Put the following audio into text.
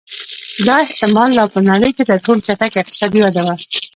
دا احتما لا په نړۍ کې تر ټولو چټکه اقتصادي وده وه